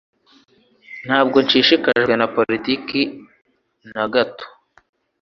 Ntabwo nshishikajwe na politiki na gato